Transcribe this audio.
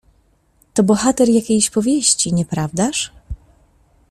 "To bohater jakiejś powieści, nieprawdaż?"